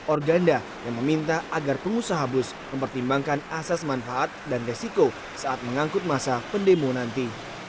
organda yang meminta agar pengusaha bus mempertimbangkan asas manfaat dan resiko saat mengangkut masa pendemo nanti